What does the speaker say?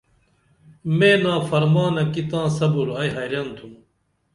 میں نافرمانہ کی تاں صبر ائی حیرن تُھم